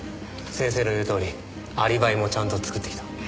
先生の言うとおりアリバイもちゃんと作ってきた。